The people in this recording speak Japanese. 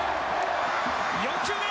４球目。